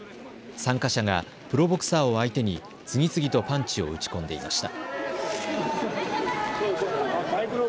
参加者がプロボクサーを相手に次々とパンチを打ち込んでいました。